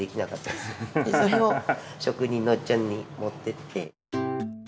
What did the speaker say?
でそれを職人のおっちゃんに持ってって。